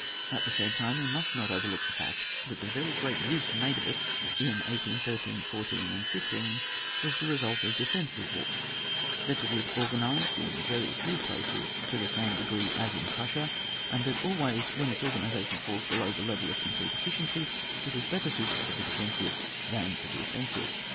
At the same time, we must not overlook the fact, that the very great use made of it in 1813 14 15 was the result of defensive war; that it is organised in very few places to the 80 ON WAR. [book VI. same degree as in PruBsia, and that al ways when its organisation falls below the level of complete efficiency, it is better suited for the defensive than for the offensive.